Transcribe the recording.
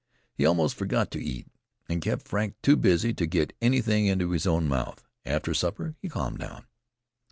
He almost forgot to eat, and kept Frank too busy to get anything into his own mouth. After supper he calmed down.